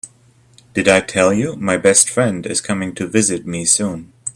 Did I tell you my best friend is coming to visit me soon?